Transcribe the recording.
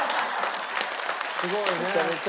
すごいね！